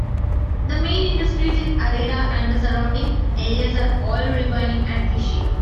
The main industries in Arida and the surrounding areas are oil refining and fishing.